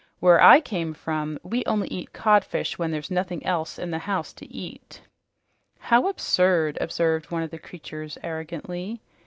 "Where I come from, we only eat codfish when there's nothing else in the house to eat." "How absurd!" observed one of the creatures arrogantly.